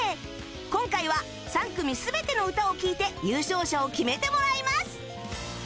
今回は３組全ての歌を聴いて優勝者を決めてもらいます